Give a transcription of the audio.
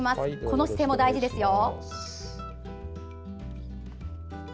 この姿勢も大事ですよ。